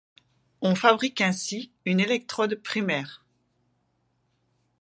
On fabrique ainsi une électrode primaire.